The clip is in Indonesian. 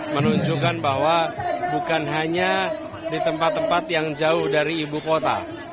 menunjukkan bahwa bukan hanya di tempat tempat yang jauh dari ibu kota